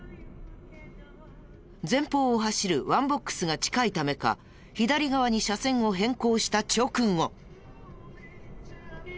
前方を走るワンボックスが近いためか左側に車線を変更した直後。